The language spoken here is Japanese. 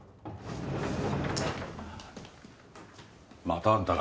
またあんたか。